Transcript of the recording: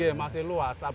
iya masih luas